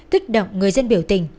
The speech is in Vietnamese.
tích động người dân biểu tình